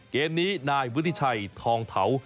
เกมนี้นายวุฒิชัยทองเถา